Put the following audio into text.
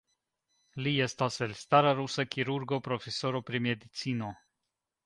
Li estas elstara rusa kirurgo, profesoro pri medicino.